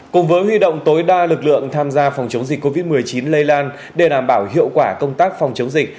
cùng với huy động tối đa lực lượng tham gia phòng chống dịch covid một mươi chín lây lan để đảm bảo hiệu quả công tác phòng chống dịch